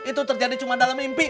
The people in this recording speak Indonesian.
itu terjadi cuma dalam mimpi